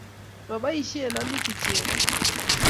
Maboishee Hamisa chego